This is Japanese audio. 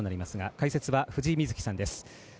解説は藤井瑞希さんです。